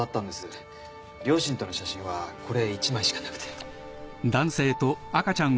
両親との写真はこれ１枚しかなくて。